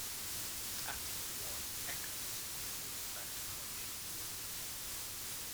After the war Eckert moved back to Columbia.